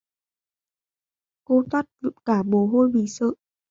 Cô toát cả mồ hôi vì sợ